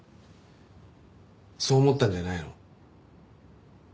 そう思ったんじゃないの？